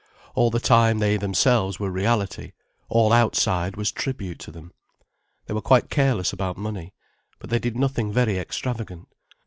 All the time, they themselves were reality, all outside was tribute to them. They were quite careless about money, but they did nothing very extravagant.